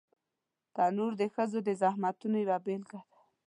تنور د ښځو د زحمتونو یوه بېلګه ده